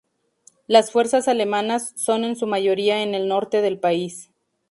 Las fuerzas alemanas son en su mayoría en el norte del país.